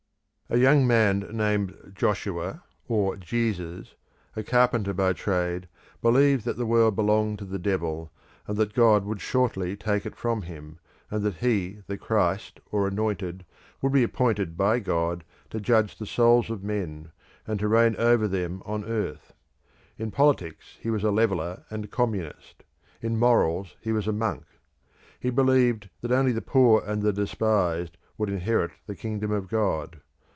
A young man named Joshua or Jesus, a carpenter by trade, believed that the world belonged to the devil, and that God would shortly take it from him, and that he the Christ or Anointed would be appointed by God to judge the souls of men, and to reign over them on earth. In politics he was a leveller and communist, in morals he was a monk; he believed that only the poor and the despised would inherit the kingdom of God.